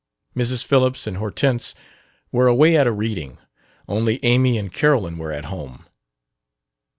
Mrs. Phillips and Hortense were away at a reading; only Amy and Carolyn were at home.